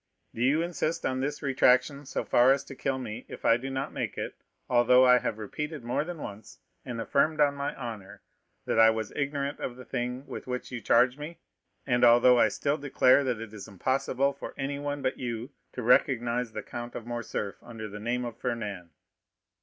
Do you insist on this retractation so far as to kill me if I do not make it, although I have repeated more than once, and affirmed on my honor, that I was ignorant of the thing with which you charge me, and although I still declare that it is impossible for anyone but you to recognize the Count of Morcerf under the name of Fernand?"